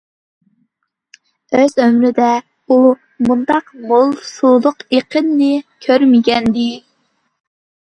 ئۆز ئۆمرىدە ئۇ مۇنداق مول سۇلۇق ئېقىننى كۆرمىگەنىدى.